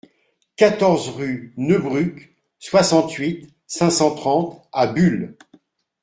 quatorze rue Neubruck, soixante-huit, cinq cent trente à Buhl